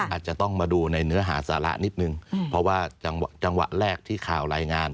อาจจะต้องมาดูในเนื้อหาสาระนิดนึงเพราะว่าจังหวะแรกที่ข่าวรายงาน